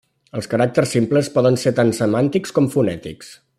Els caràcters simples poden ser tant semàntics com fonètics.